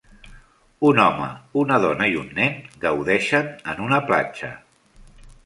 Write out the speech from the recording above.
Un home, una dona i un nen gaudeixen en una platja.